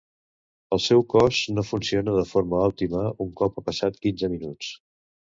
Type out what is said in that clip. El seu cos no funciona de forma òptima un cop han passat quinze minuts.